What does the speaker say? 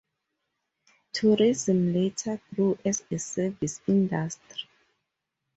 Tourism later grew as a service industry.